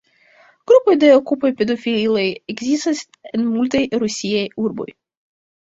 Grupoj de "Okupaj-pedofilaj" ekzistas en multaj rusiaj urboj.